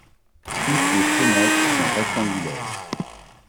Toutes les fenêtres sont rectangulaires.